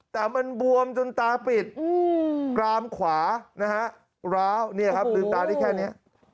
แต่มันบวมจนตาปิดกรามขวานะฮะร้าวเนี่ยครับลืมตาได้แค่นี้